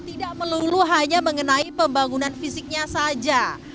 tidak melulu hanya mengenai pembangunan fisiknya saja